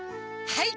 はい！